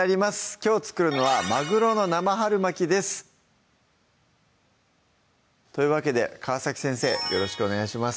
きょう作るのは「まぐろの生春巻き」ですというわけで川先生よろしくお願いします